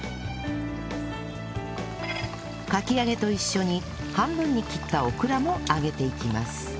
かき揚げと一緒に半分に切ったオクラも揚げていきます